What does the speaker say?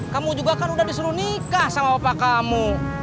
kamu juga kan udah disuruh nikah sama bapak kamu